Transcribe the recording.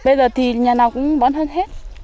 bây giờ thì nhà nào cũng bón phân hết